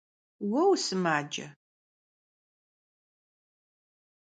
Vue vusımace?